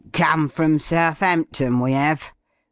"Come from Southampton, we 'ave.